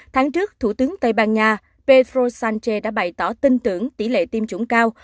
tháng trước thủ tướng tây ban nha pedro sánche đã bày tỏ tin tưởng tỷ lệ tiêm chủng cao